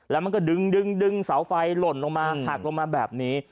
แล้วมันก็ดึงเสาไฟหล่นลงมาหักลงมาแบบนี้